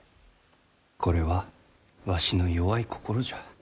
これはわしの弱い心じゃ。